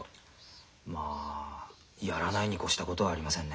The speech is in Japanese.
まあやらないに越したことはありませんね。